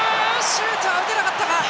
シュートは打てなかったか。